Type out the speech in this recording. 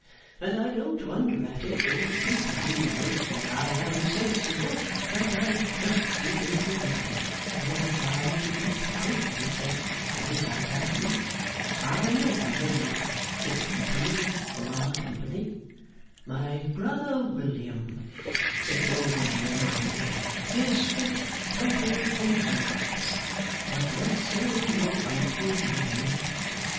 And I don't wonder at it, or complain of it, for I am sensible that I must be in the way, though I try to keep out of it as well as I can. I know I am not fit company for our company. My brother William,' said the old man admiringly, 'is fit company for monarchs; but not so your uncle, my dear.